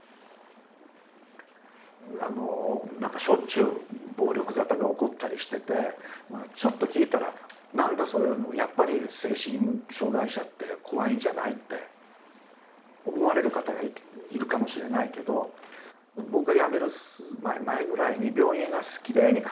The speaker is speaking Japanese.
しょっちゅう暴力沙汰が起こったりしててちょっと聞いたら「なんだやっぱり精神障害者って怖いんじゃない」って思われる方がいるかもしれないけど僕が辞める前ぐらいに病院がきれいに改装したんですね。